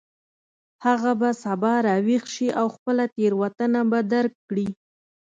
هغه به سبا راویښ شي او خپله تیروتنه به درک کړي